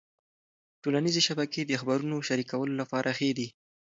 ټولنيزې شبکې د خبرونو شریکولو لپاره ښې دي.